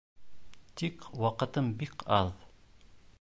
Тик ваҡытым бик аҙ.